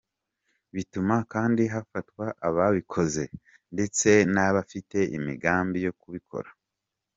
Bituma kandi hafatwa ababikoze ndetse n’abafite imigambi yo kubikora."